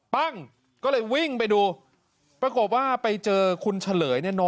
ปั้งก็เลยวิ่งไปดูปรากฏว่าไปเจอคุณเฉลยเนี่ยนอน